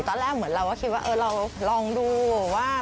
ตอนแรกเหมือนเราก็คิดว่าเราลองดูว่า